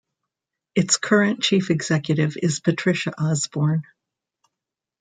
Its current chief executive is Patricia Osborne.